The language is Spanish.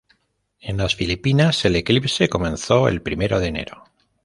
En las Filipinas, el eclipse comenzó el primero de enero.